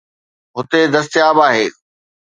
هتي دستياب ناهي.